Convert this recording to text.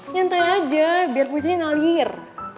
nyantai aja biar puisinya ngalir